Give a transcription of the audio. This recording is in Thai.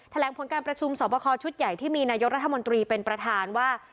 แถลงผลการประชุมสอบคอชุดใหญ่ที่มีนายกรัฐมนตรีเป็นประธานว่า